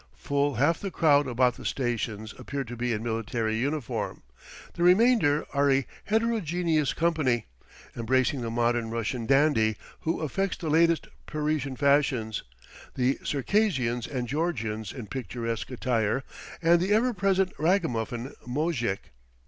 Full half the crowd about the stations appear to be in military uniform; the remainder are a heterogeneous company, embracing the modern Russian dandy, who affects the latest Parisian fashions, the Circassians and Georgians in picturesque attire, and the ever present ragamuffin moujik.